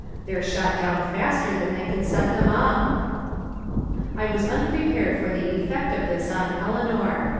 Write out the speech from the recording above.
They're shot down faster than they can set them up." I was unprepared for the effect of this on Eleanor.